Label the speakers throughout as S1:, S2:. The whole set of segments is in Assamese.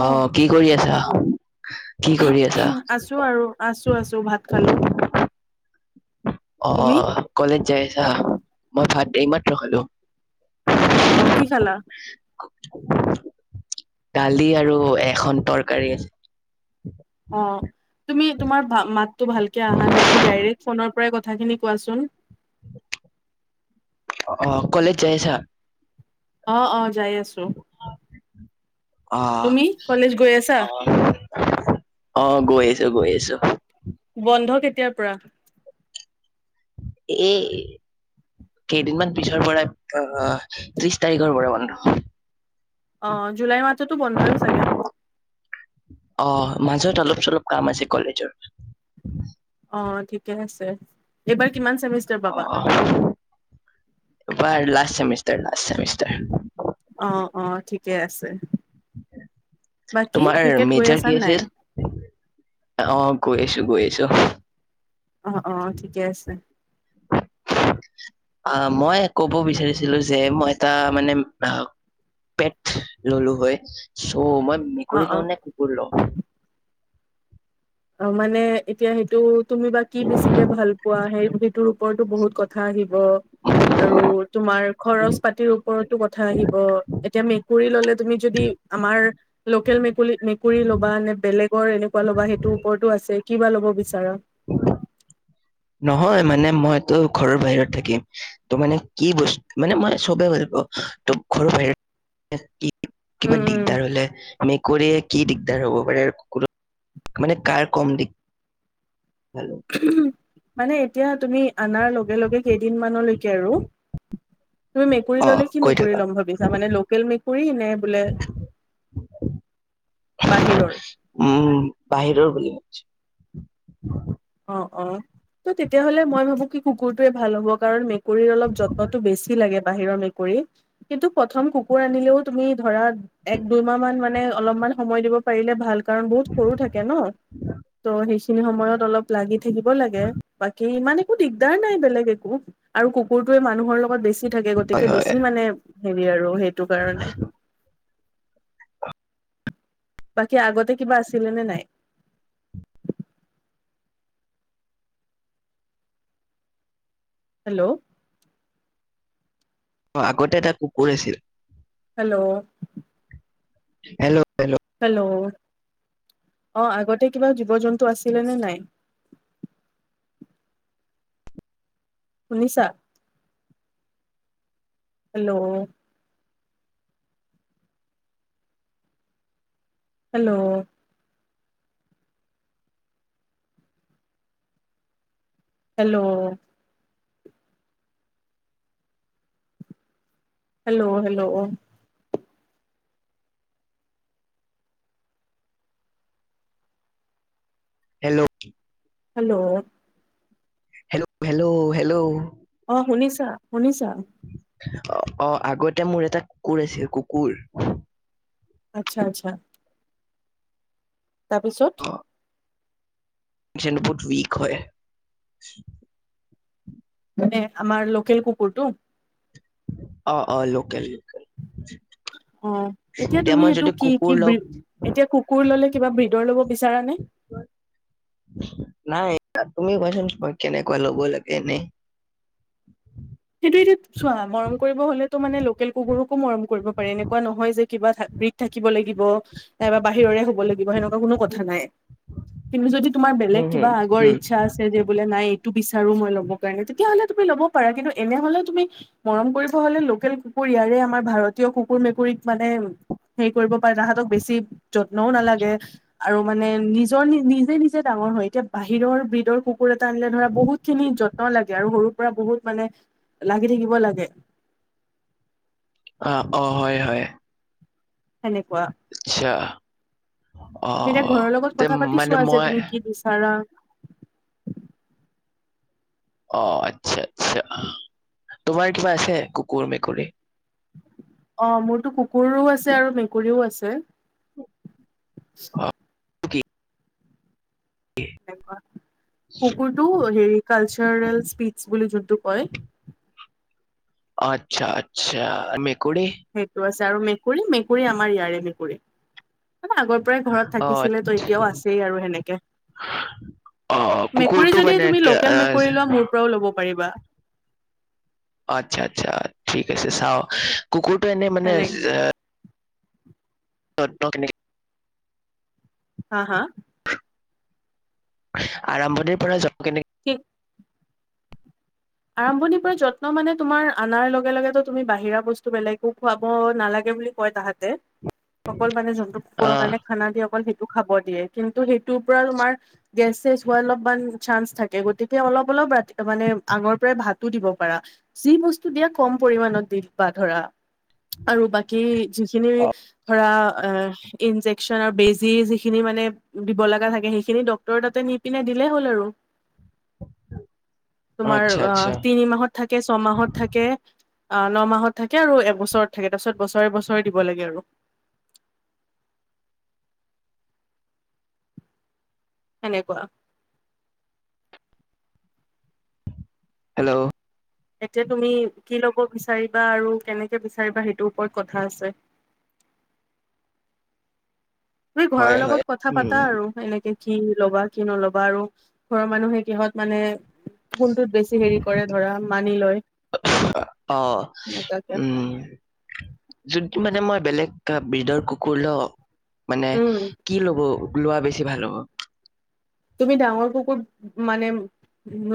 S1: অ কি কৰি আছা? কি কৰি আছা?
S2: আছো আৰু আছো আছো ভাত খালো ।
S1: অ, কলেজ যাই আছা? [unintelligible] এইমাত্ৰ খালো ।
S2: অহ, কি খালা?
S1: দালি আৰু এখন তৰকাৰী আছে ।
S2: অ তুমি তোমাৰ মাত, ভাতটো ভালকে আহা নাই, তুমি ডাইৰেক্ট ফোনত [unintelligible] কথাখিনি কোৱাচোন ।
S1: অ কলেজ যাই আছা?
S2: অ অ যাই আছো ।
S1: অ'
S2: তুমি কলেজ গৈ আছা?
S1: অ' অ গৈ আছো গৈ আছো ।
S2: বন্ধ কেতিয়াৰ পৰা?
S1: এই কেইদিনমান পিছৰ পৰা অহ ত্ৰিশ তাৰিখৰ পৰা বন্ধ।
S2: অহ, জুলাই মাহটো টো বন্ধ হয় চাগে ।
S1: অ' মাজত অলপ চলপ কাম আছে কলেজৰ।
S2: অ ঠিকে আছে । এইবাৰ, কিমান চেমিষ্টাৰ পাবা?
S1: এবাৰ লাষ্ট চেমিষ্টাৰ লাষ্টেমিষ্টাৰ
S2: অ অ ঠিকে আছে বাকী
S1: তোমাৰ
S2: ক্ৰিকেট গৈ
S1: মেজাৰ
S2: আছা
S1: কি
S2: নাই
S1: আছিল অ গৈ আছো গৈ আছো নিছ [unintelligible]
S2: অ অ ঠিকে আছে ।
S1: অ মই কব বিচাৰিছিলো যে মই এটা মানে পেট ললো হয় । চ' মই
S2: অ
S1: মেকুৰী
S2: অ
S1: লওঁ নে কুকুৰ লওঁ ।
S2: অ মানে এতিয়া সেইটো তুমি বা কি বেছিকে ভাল পোৱা সেই সিটোৰ ওপৰতো বহুত কথা আহিব । আৰু তোমাৰ খৰচ পাতিৰ ওপৰতো কথা আহিব এতিয়া মেকুৰী ললে তুমি যদি আমাৰ লোকেল মেকুৰী মেকুৰী ল'বা নে বেলেগৰ এনেকুৱা ল'বা সে টো ওপৰতো আছে কি বা ল'ব বিচাৰা ।
S1: নহয় মানে মইতো ঘৰৰ বাহিৰত থাকিম তোৰ মানে কি বস্তু মানে মই চবে ভাল পাওঁ ত ঘৰৰ বাহিৰত
S2: উম
S1: কিবা
S2: উম
S1: দিগদাৰ হলে আমি কৰি কি দিগদাৰ হব পাৰে কো মানে কাৰৰ কম দিক
S2: মানে এতিয়া তুমি অনাৰ লগে লগে কেইদিনমানানলৈকে আৰু তুমি মেকুৰী
S1: অ
S2: ল'লে কি
S1: কৈ
S2: মেকুৰী
S1: থাকা
S2: ল'ম ভাবিছা মানে লোকেল মেকুৰী । বাহিৰৰ
S1: উম বাহিৰৰ বুলি [unintelligible]
S2: অ অ ত তেতিয়াহ'লে মই ভাবো কি কুকুৰটোয়ে ভাল হ'ব কাৰণ মে কৰি অলপ যত্নটো বেছি লাগে । বাহিৰৰ মেকুৰী কিন্তু প্ৰথম কুকুৰ আনিলেও তুমি ধৰা এক দুইমাহ মান মানে অলপমান সময় দিব পাৰিলে ভাল কাৰণ বহুত সৰু থাকে ন ত সেইখিনি সময়ত অলপ লাগি থাকিব লাগে বাকী ইমান একো দিগদাৰ নাই বেলেগ একো আৰু কুকুৰটোৱে মানুহৰ লগত বেছি থাকে গতিকে
S1: হয় হয়
S2: বেছি মানে হেৰি আৰু সেইটো কাৰণে । বাকী আগতে কিবা আছিলে নে নাই। হেল্ল'।
S1: আগতে এটা কুকুৰ আছিল।
S2: হেল্ল'।
S1: Hello hello.
S2: হেল্ল' অ', আগতে কিবা জীৱ জন্তু আছিলে নে নাই? শুনিছা? Hello. Hello. Hello. Hello hello অ'।
S1: Hello.
S2: Hello.
S1: Hello hello hello.
S2: অ শুনিছা? শুনিছা?
S1: অ, অ', আগতে মোৰ এটা কুকুৰ আছিল কুকুৰ।
S2: আচ্ছা, আচ্ছা। তাৰপিছত?
S1: চেণ্ন্দপুট উইক হয়।
S2: মানে আমাৰ লোকেল কুকুৰটো।
S1: অ, অ'লোকেল, লোকেল।
S2: অ', এতিয়া তুমি
S1: মই
S2: সেইটো
S1: যদি
S2: কি
S1: কুকুৰ
S2: কি
S1: লগ
S2: এতিয়া কুকুৰ ললে কিবা বি--। দৰ ল'ব বিচাৰানে?
S1: নাই তুমি কচোন কেনেকুৱা ল'ব লাগেনে?
S2: সেইটো এতিয়া চোৱা, মৰম কৰিব হলেতো মানে লোকেল কুকুৰকো মৰম কৰিব পাৰে, এনেকুৱা নহয় যে কিবা বিগ থাকিব লাগিব, নাইবা বাহিৰৰে হব লাগিব, সেনেকুৱা কোনো কথা নাই। কিন্তু, যদি তোমাৰ বেলেগ
S1: হম
S2: কিবা
S1: হম
S2: আগৰ
S1: হম
S2: ইচ্ছা আছে যে, বোলে নাই--। তটো বিচাৰো মই ল'ব কাৰণে তেতিয়া হ'লে তুমি ল'ব পাৰা। কিন্তু, তেনেহলে তুমি মৰম কৰিব হলে, লোকেল কুকুৰ ইয়াৰে আমাৰ ভাৰতীয় কুকুৰ-মেকুৰীক মানে হেৰি কৰিব পাৰা। তাহাঁতক বেছি--। যত্নও নালাগে। আৰু মানে নিজৰ নি নিজে নিজে ডাঙৰ হয়। এতিয়া বাহিৰৰ ব্ৰীডৰ ক--। ককুৰ এটা আনিলে ধৰা বহুত খিনি যত্ন লাগে, আৰু সৰু--। পৰা বহুত মানে--। লাগি থাকিব লাগে।
S1: অ, অ', হয়, হয়।
S2: হয় নেকি?
S1: আচ্ছা অ
S2: তুমি এতিয়া ঘৰৰ লগত
S1: তে
S2: কথা পাতি
S1: মানে
S2: চোৱা যে
S1: মই
S2: তুমি কি বিচাৰা।
S1: অ আচ্ছা, আচ্ছা তোমাৰ কিবা আছে, কুকুৰ-মেকুৰী?
S2: অ', মোৰতো কুকুৰো আছে আৰু মেকুৰীও আছে।
S1: অ
S2: [unintelligible]
S1: কি
S2: এনেকুৱা কুকুৰটো হেৰি কালচাৰেল স্পীচ্চ বুলি যোনটো কয়্
S1: অ আচ্ছা আচ্ছা। মেকুৰী
S2: সেইটো আছে। আৰু মেকুৰী মেকুৰী আমাৰ ইয়াৰে মেকুৰী। মানে আগৰ পৰাই ঘৰত
S1: অ
S2: থাকিছিলে তো এতিয়াও আছেই আৰু সেনেকে,
S1: অ
S2: মেকুৰী
S1: কুকুৰটো
S2: যদি
S1: মানে
S2: তুমি
S1: কে-
S2: লোকেল
S1: আহ,
S2: মেকুৰী লোৱা মোৰ পৰাও ল'ব প। পাৰিবা।
S1: আচ্ছা আচ্ছা ঠিক আছে চাওঁ। কুকুৰটো এনেই মানে
S2: সেনেকে
S1: [unintelligible]
S2: হাঁ হাঁ।
S1: আৰম্ভণিৰ পৰা য, ' কেনে-
S2: ঠিক আৰম্ভণিৰ পৰা যত্ন মানে তোমাৰ অনাৰ লগে লগে তুমি বাহিৰা বস্তু বেলেগো খুৱাব নালাগে বুলি কয় তাহাঁতে অকল মানে কুকুৰৰ
S1: আহ
S2: কাৰণে খানা দি অকল। খাব দিয়ে কিন্তু সেইটোৰ পৰা তোমাৰ গেছ চেছ হোৱাৰ অলপমান চান্স থাকে। গতিকে অলপ অলপ ৰাতি মানে আগৰ পৰাই ভাতো দিব পাৰা যি বস্তু দিয়া কম পৰিমাণত মানত দিবা ধৰা। আৰু বাকী যিখিনি ধৰা ইন্জেকচন আৰু বেজি যিখিনি মানে দিব লগা থাকে সেইখিনি ডক্টৰ তাতে নিপিনে দিলেই হ'ল আৰু। তোমাৰ
S1: আচ্ছা আচ্ছা
S2: আহ তিনি মাহত থাকে ছয়মাহত থাকে। আহ ন মাহত থাকে আৰু এক বছৰত থাকে তাৰ পিছত বছৰে বছৰে দিব লাগে আৰু। সেনেকোৱা
S1: হেল্ল'
S2: এতিয়া তুমি কি লব বিচাৰিবা আৰু কেনেকে বিচাৰিবা সেইটোৰ ওপৰত কথা আছে। তুমি ঘৰৰ
S1: হয় হয়
S2: লগত কথা
S1: উম
S2: পাতা আৰু এনেকে। কি ল'বা কি নল'বা আৰু ঘৰৰ মানুহে কিহত মানে ফোনটোত বেছি হেৰি কৰে ধৰা মানি লয়
S1: অ
S2: এনেকুৱা কে
S1: উম যদি মানে মই বেলেগ বিধৰ কুকুৰ লওঁ। মানে
S2: উম
S1: কি ল'ব। লোৱা বেছি ভাল হ'ব?
S2: তুমি ডাঙৰ কুকুৰ মানে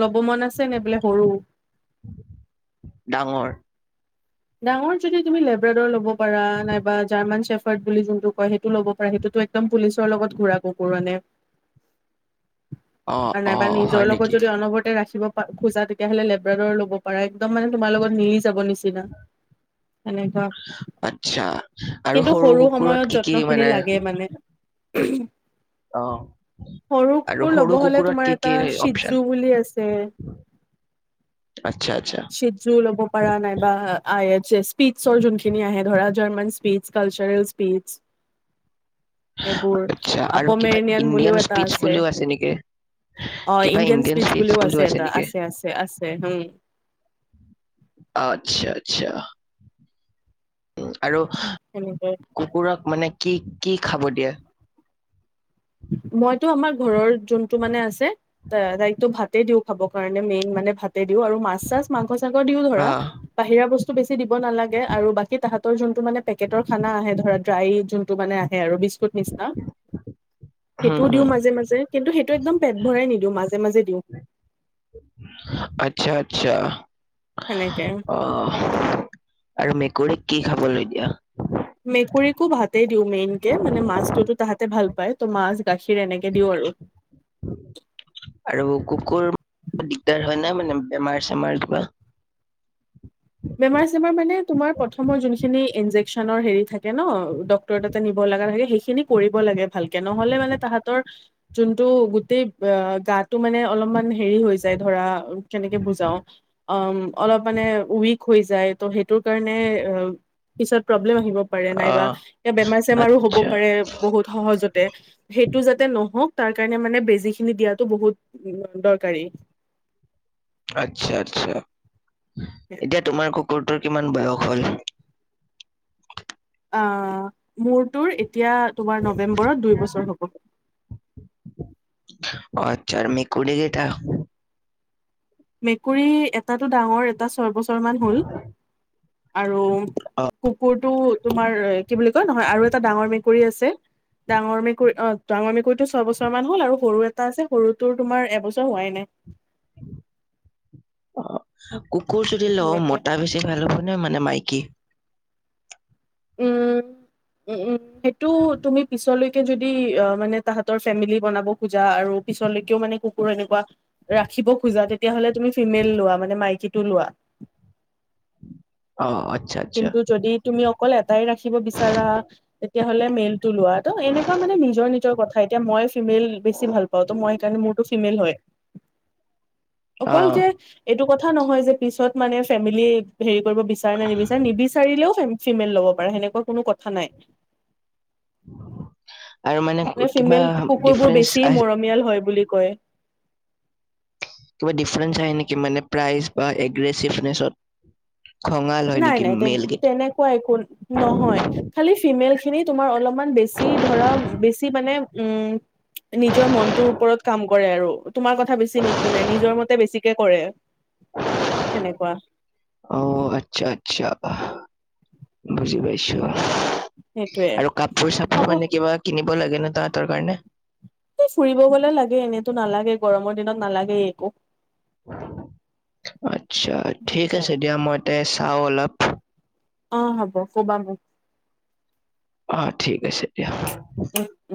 S2: ল'ব মন আছে নে বোলে সৰু।
S1: ডাঙৰ
S2: ডাঙৰ যদি তুমি লেব্ৰেডৰ ল'ব। পৰা নাইবা জাৰ্মান চেফ। বুলি যোনটো কয় সেইটো ল'ব পাৰে সেইটো একদম পুলিচৰ লগত ঘুৰা কুকুৰ মানে।
S1: অ অ
S2: নাইবা নিজৰ
S1: হয়
S2: লগত
S1: নেকি
S2: যদি অনবৰতে ৰাখি খোজা তেতিয়াহ'লে লেব্ৰডৰ ল'ব পাৰে একদম মানে তোমাৰ লগত নিজ! যাব নিচিনা
S1: আচ্ছা, আৰু সৰু কুকুৰত কি কি মানে।
S2: উ।
S1: অ
S2: সৰু
S1: আৰু
S2: কুকুৰ
S1: সৰু
S2: লব হলে
S1: কুকুৰত
S2: তোমাৰ
S1: কি
S2: এটা
S1: কি অপচন
S2: চিজু বুলি আছে।
S1: আচ্ছা আচ্ছা
S2: চিযোৰ লব পা নাইবা আয়। চে। পিছৰ যোনখিনি আহে ধৰা। German speech cultural speech. সেইবোৰ
S1: আচ্ছা আৰু কিবা
S2: আপমেৰিনিয়ান
S1: ইণ্ডিয়ান
S2: বুলিও এটা
S1: স্পিচ
S2: আছে,
S1: বুলিও নেকি
S2: অ ইণ্ডিয়ান স্পিচ বুলিও আছে এটা আছে আছে আছে।
S1: আচ্ছা আচ্ছা। আৰু
S2: সেনেকুৱা
S1: কুকুৰক মানে। কি কি খাব দিয়া।
S2: মইতো আমাৰ ঘৰৰ। যোনটো মানে আছে দায়িত্ব ভাত। দিওঁ খাবৰ কাৰণে মেইন মানে ভাত। দিও আৰু মাছ চাছ মাংস চাংৰ দিও
S1: অ
S2: ধৰা, বাহিৰা বস্তু। বেছি দিব নালাগে আৰু বাকী তাহাঁতৰ যোনটো মানে পেকেটৰ খানা আহে ধৰা। ডাই যোনটো মানে আহে আৰু বিস্কুট নিচিনা।
S1: হম
S2: সেইটোও দিও
S1: হম
S2: মাজে মাজে কিন্তু সেইটো একদম পেট ভৰাই নিদিও মাজে। মাজে মাজে দিওঁ।
S1: আচ্ছা আচ্ছা।
S2: সেনেকে
S1: আহ আৰু মেকুৰীক কি খাবলৈ দিয়া।
S2: ভাতেই দিও মেইন কে মানে মাছতটোতো তাহাতে ভাল পায় ত মাছ। গাখীৰ এনেকে দিওঁ আৰু
S1: আৰু কুকুৰ, দিগদাৰ। হয় ন মানে বেমাৰ চমজ বা।
S2: [unintelligible] ডক্টৰেৰততে নিব লগা হয়ে। খিনি কৰিব লাগে ভালকে নহলে মানে তাহাঁতৰ যোনটো গোটেই অ গাটো মানে অলপমান। ব হৈ যায় তেই। তোৰ কাৰণে অ । পিছত। আহিব পাৰে
S1: অ
S2: নাইবা বেমাৰ চেমাৰ হব
S1: আচ্ছা
S2: পাৰে বহুত সহজতে সেইটো যাতে নহক তাৰ কাৰণে মানে বেজি খিনি দিয়াতো বহুত উ দৰকাৰী
S1: আচ্ছা আচ্ছা । এতিয়া তোমাৰ কুকুৰটোত । কিমান বয়স হ'ল?
S2: অ মোৰটোৰ এতিয়া তোমাৰ নৱেম্বৰত দুই বছৰ হ'ব ।
S1: আটচ্চা মেকুৰি কেইটা
S2: মেকুৰী এটাতটো ডাঙৰ এটা ছয় বছৰ মান হ'ল । আৰু
S1: অ
S2: কুকুৰটো তোমাৰ কি বুলি কয় নহয় আৰু এটা ডাঙৰ মেকুৰী আছে ডাঙৰ মেকুৰী অ ডাঙৰ মেকুৰীটো ছয় বছৰ মান হল আৰু সৰু এটা আছে সৰুটো তোমাৰ এবছৰ হোৱাই নাই ।
S1: অ । কুকুৰ যদি লও
S2: সেনেকে
S1: মতা বেছি ভাল হ'ব। মানে মাইকী ।
S2: উম উম উম সেইটো তুমি পিছলৈকে যদি মানে তাহতৰ ফেমিলি বনাব খোজা আৰু পিছলৈকেও মানে কুকুৰ এনেকুৱা ৰাখিব খোজা তে তেতিয়াহ'লে তুমি ফিমেল লোৱা মানে মাইকী তু লুৱা
S1: অ আচ্ছা আচ্ছা
S2: কিন্তু যদি তুমি অকল এটাই ৰাখিব বিচাৰা তেতিয়াহলে মেইল । লোৱা ত এনেকুৱা মানে নিজৰ কথা এতিয়া মই ফিমেল বেছি ভাল পাওঁ মই সেইকাৰণে মোৰ ফিমেল হয়
S1: অ
S2: অকল যে এইটো কথা । কথা নহয় যে পিছত মানে ফেমিলি হে কৰিব বিচাৰে নে নিবিছাৰে চাৰিলেও ফিমেল ল'ব পাৰে সেনেকুৱা কোনো কথা নাই ।
S1: [inaudible]
S2: মে
S1: কিবা
S2: ফিমেল কুকুৰ বোৰ
S1: ডিফাৰেন্ঞ্চ
S2: বেছি
S1: আহ
S2: মৰমীয়াল হয় বুলি ক কয় ।
S1: কিবা ডিফাৰেন্ঞ্চ আহে নেকি মানে প্ৰাইজ বা এগ্ৰেচিভনেছত খঙাল হয়
S2: নাই
S1: নেকি
S2: নাই তে
S1: মেল কেইটা
S2: তেনেকুৱা একো নহয় খালি ফিমেল । খিনি তোমাৰ অলপমান বেছি ধৰা বেছি মানে উম নিজৰ মনটোৰ ওপৰত কাম কৰে আৰু তোমাৰ কথা বেছি নুশুনে নিজৰ মতে বেছিকে কৰে সেনেকোৱা ।
S1: অ আচ্ছা আচ্ছা বুজি পাইছো ।
S2: সেইটোয়ে হব
S1: মানে কিবা কিনিব লাগে ন তাহাঁতৰ কাৰণে
S2: এই ফুৰিব গলে লাগে এনেতো নালাগে গৰমত । দিনত নালাগে একো ।
S1: আচ্ছা ঠিক আছে দিয়া মই ইয়াতে আছো। আও অলপ।
S2: অ হ'ব কবা মোক।
S1: অ ঠিক আছে দিয়া। ফু [unintelligible]
S2: উম উম